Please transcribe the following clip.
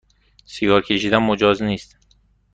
سیگار کشیدن مجاز نیست